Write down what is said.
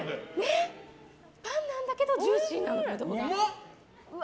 パンなんだけどジューシーなの。